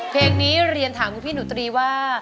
เพลงนี้เรียนถามคุณพี่หนูตรีว่า